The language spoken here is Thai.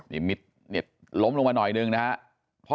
นี่มิดล้มลงมาหน่อยหนึ่งนะครับ